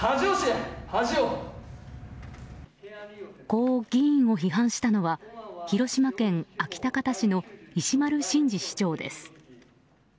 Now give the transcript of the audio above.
こう議員を批判したのは広島県安芸高田市の石丸伸二市長です。